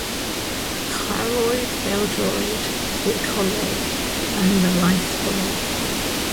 Chwaraeodd bêl-droed i'r coleg yn Nhalaith Ball.